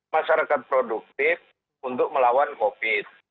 masyarakat produktif untuk melawan covid sembilan belas